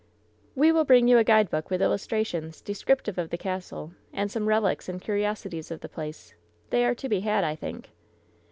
"We will bring you a guidebook with illustrations, de scriptive of the castle, and some relics and curiosities of the place. They are to be had, I think."